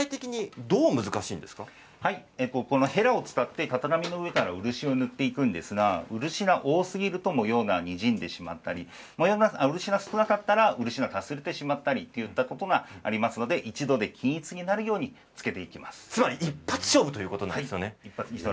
へらを使って型紙の上から漆を塗っていくんですが漆が多すぎると模様がにじんでしまったり漆が少なかったら漆がかすれてしまったりといったことがありますので一度で均一になるようにつまり一発勝負ということなんですよね。